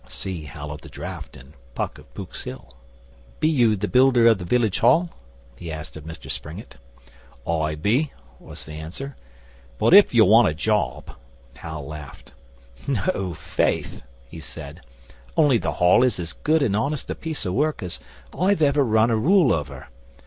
[See 'Hal o' the Draft' in PUCK OF POOK'S HILL.] 'Be you the builder of the Village Hall?' he asked of Mr Springett. 'I be,' was the answer. 'But if you want a job ' Hal laughed. 'No, faith!' he said. 'Only the Hall is as good and honest a piece of work as I've ever run a rule over.